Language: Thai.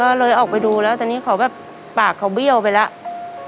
ก็เลยออกไปดูแล้วตอนนี้เขาแบบปากเขาเบี้ยวไปแล้ว